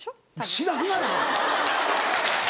知らんがな！